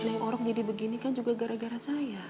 yang orang jadi begini kan juga gara gara saya